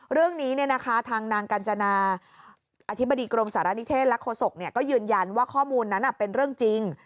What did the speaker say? เรื่องนี้ทางนางกัญจนาอธิบดีกรมสารณิเทศและโฆษกก็ยืนยันว่าข้อมูลนั้นเป็นเรื่องจริง